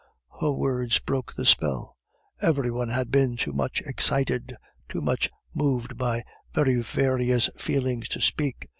Her words broke the spell. Every one had been too much excited, too much moved by very various feelings to speak.